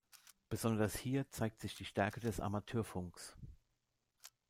Besonders hier zeigt sich die Stärke des Amateurfunks.